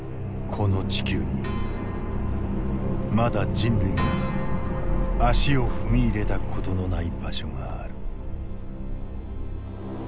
この地球にまだ人類が足を踏み入れたことのない場所がある。